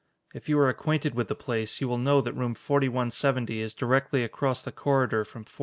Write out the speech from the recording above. If you are acquainted with the place, you will know that room 4170 is directly across the corridor from 4167."